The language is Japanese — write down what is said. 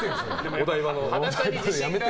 お台場の。